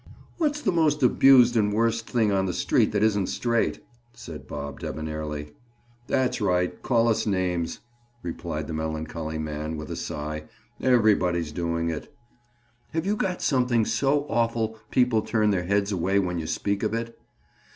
"What's the most abused and worst thing on the street that isn't straight?" said Bob debonairly. "That's right. Call us names," replied the melancholy man with a sigh. "Everybody's doing it." "Have you got something so awful people turn their heads away when you speak of it?"